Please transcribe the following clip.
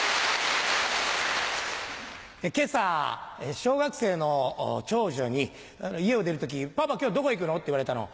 今朝小学生の長女に家を出る時「パパ今日どこ行くの？」って言われたの。